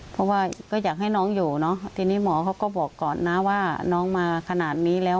เพราะว่าก็อยากให้น้องอยู่เนอะทีนี้หมอเขาก็บอกก่อนนะว่าน้องมาขนาดนี้แล้ว